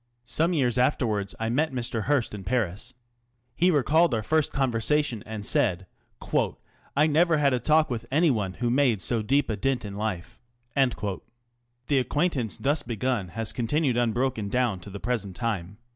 Some years afterwards I met Mr. Hearst in Paris. He recalled our first conversation, and said, " I never had a talk with anyone which made so deep a dint in life." The acquaintance thus begun has continued un broken down to the present time.